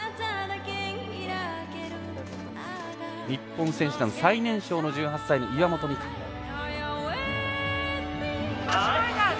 日本選手団最年少の１８歳、岩本美歌。